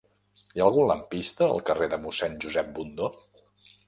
Hi ha algun lampista al carrer de Mossèn Josep Bundó?